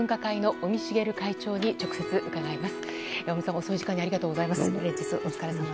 尾身さん、遅い時間にありがとうございます。